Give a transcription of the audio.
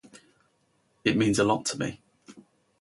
It means a lot to me